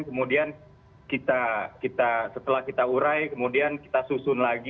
kemudian kita setelah kita urai kemudian kita susun lagi